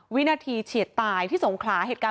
วินาทีเฉียดตายที่สงขลาเหตุการณ์